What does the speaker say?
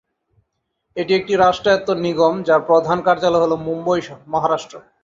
এটি একটি রাষ্ট্রায়ত্ত নিগম, যার প্রধান কার্যালয় হল মুম্বই, মহারাষ্ট্র।